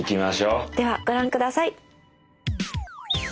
ではご覧下さい。